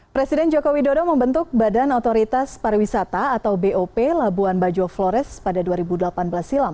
presiden joko widodo membentuk badan otoritas pariwisata atau bop labuan bajo flores pada dua ribu delapan belas silam